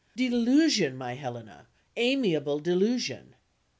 Delusion, my Helena, amiable delusion!